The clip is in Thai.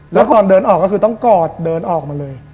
แล้วก่อนเดินออกก็คือต้องกอดเดินออกมาเลย